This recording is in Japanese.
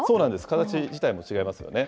形自体も違いますよね。